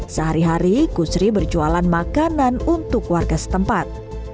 sehari hari kusri berjualan makanan untuk warga setempat